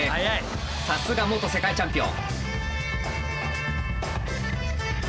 さすが元世界チャンピオン。